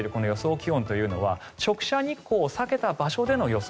気温というのは直射日光を避けた場所での予想